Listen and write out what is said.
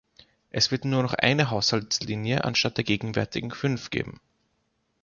Es wird nur noch eine Haushaltslinie anstatt der gegenwärtigen fünf geben.